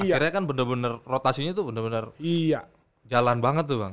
akhirnya kan benar benar rotasinya tuh bener bener jalan banget tuh bang